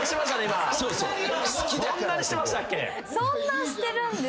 そんなにしてましたっけ。